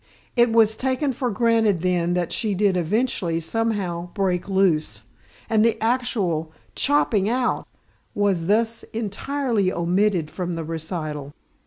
It was taken for granted then that she did eventually, somehow, "break loose", and the actual "chopping out" was thus entirely omitted from the recital.